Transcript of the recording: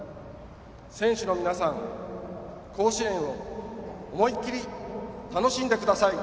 選手の皆さん、甲子園を思い切り楽しんでください。